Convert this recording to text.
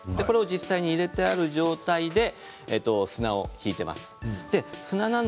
実際に入れてある状態で砂を敷いています。